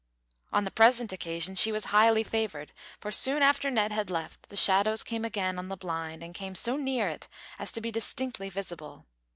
On the present occasion she was highly favoured, for, soon after Ned had left, the shadows came again on the blind, and came so near it as to be distinctly visible.